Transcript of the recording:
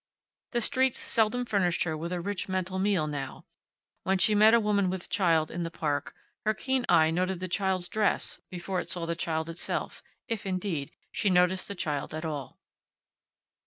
The streets seldom furnished her with a rich mental meal now. When she met a woman with a child, in the park, her keen eye noted the child's dress before it saw the child itself, if, indeed, she noticed the child at all.